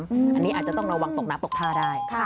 อันนี้อาจจะต้องระวังตกน้ำตกท่าได้